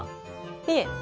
いえ。